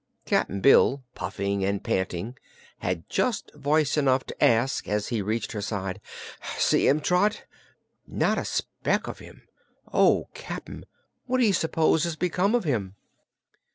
Cap'n Bill, puffing and panting, had just voice enough to ask, as he reached her side: "See him, Trot?" "Not a speck of him. Oh, Cap'n, what do you s'pose has become of him?"